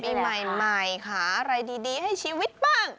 ปีใหม่หาอะไรดีให้ชีวิตบ้าง